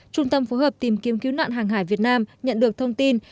trung tâm phối hợp tìm kiếm cứu nạn hàng hải việt nam nhận được thông tin